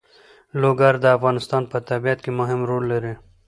لوگر د افغانستان په طبیعت کې مهم رول لري.